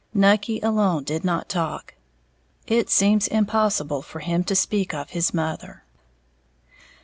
Nucky alone did not talk, it seems impossible for him to speak of his mother.